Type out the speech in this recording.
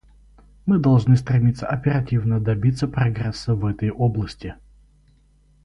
Мы должны стремиться оперативно добиться прогресса в этой области.